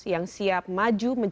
yang siap maju capres